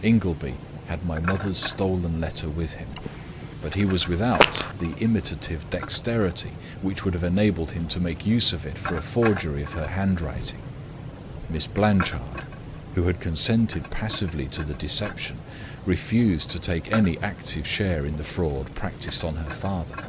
Ingleby had my mother's stolen letter with him; but he was without the imitative dexterity which would have enabled him to make use of it for a forgery of her handwriting. Miss Blanchard, who had consented passively to the deception, refused to take any active share in the fraud practiced on her father.